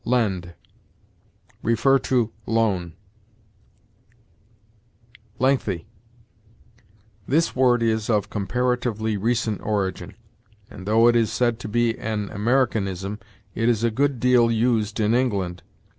LEND. See LOAN. LENGTHY. This word is of comparatively recent origin, and, though it is said to be an Americanism, it is a good deal used in England.